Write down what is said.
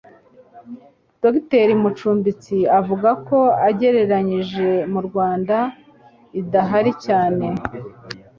Dr. Mucumbitsi avuga ko agereranyije mu Rwanda idahari cyane